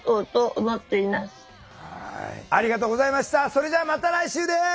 それではまた来週です。